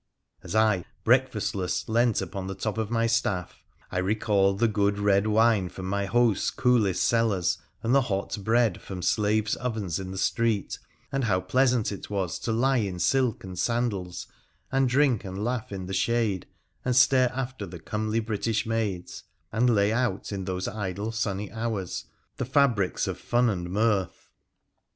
As I, breakfastless, lent upon the top of my staff, I recalled the good red wine from my host's coolest cellars and the hot bread from slaves' ovens in the street, and how pleasant it was to lie in silk and sandals, and drink and laugh in the shade and stare after the comely British maids, and lay out in those idle sunny hours the fabrics of fun and mirth.